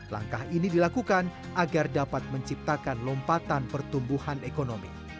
langkah ini dilakukan agar dapat menciptakan lompatan pertumbuhan ekonomi